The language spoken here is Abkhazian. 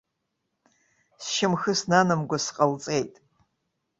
Сшьамхы снанамго сҟалҵеит.